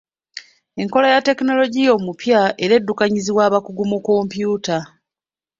Enkola ya tekinologiya omupya era eddukanyizibwa abakugu mu kompyuta.